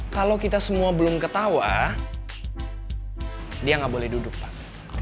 kalau kita semua belum ketawa dia nggak boleh duduk pak